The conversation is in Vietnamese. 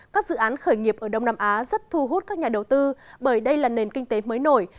các dự án khởi nghiệp ở đông nam á rất thu hút các nhà đầu tư bởi đây là nền kinh tế mới nổi